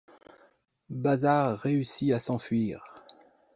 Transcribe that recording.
Bazard réussit à s'enfuir.